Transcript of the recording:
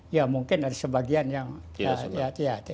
ya mungkin ada sebagian yang tidak suka